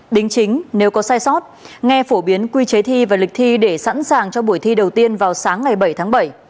đính chính nếu có sai sót nghe phổ biến quy chế thi và lịch thi để sẵn sàng cho buổi thi đầu tiên vào sáng ngày bảy tháng bảy